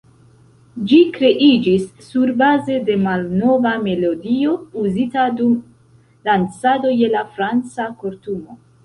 Ĝi kreiĝis surbaze de malnova melodio uzita dum dancado je la Franca kortumo.